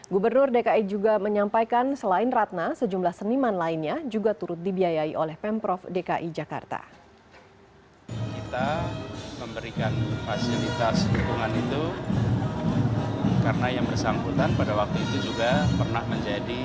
gubernur dki juga menyampaikan selain ratna sejumlah seniman lainnya juga turut dibiayai oleh pemprov dki jakarta